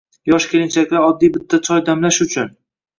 Yosh kelinchaklar oddiy bitta choy damlash uchun